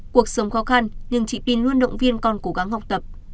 cuộc sống khó khăn nhưng chị p luôn động viên con cố gắng học tập